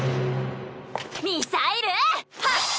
ミサイル発射！